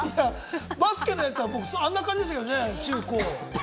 バスケのやつは僕、あんな感じでしたけれどもね、中・高。